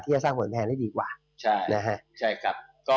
ผลต้นแพนได้ดีกว่า